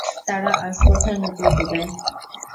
তারা আজ কোথায় মুখ লুকোবে?